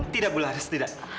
tidak bularas tidak